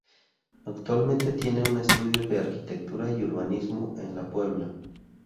Actualmente tiene un estudio de arquitectura y urbanismo en La Puebla.